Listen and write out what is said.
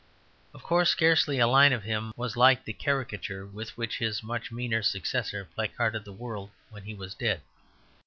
Of course, scarcely a line of him was like the caricature with which his much meaner successor placarded the world when he was dead.